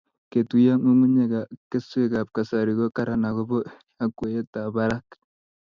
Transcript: Ketuyo ng'ung'unyek ak keswek ab kasari ko karan akobo yakweyet ab barak